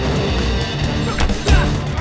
bagaimana gini buatnya afs nya